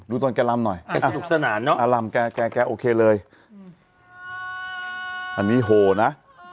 ตอนแกลำหน่อยแกสนุกสนานเนอะอารำแกแกโอเคเลยอันนี้โหนะ